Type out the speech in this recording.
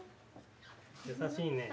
優しいね。